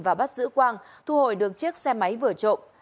và bắt giữ quang thu hồi được chiếc xe máy vừa trộm